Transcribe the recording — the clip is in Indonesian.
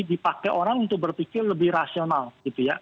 dipakai orang untuk berpikir lebih rasional gitu ya